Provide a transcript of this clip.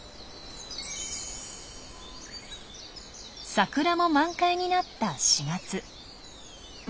桜も満開になった４月。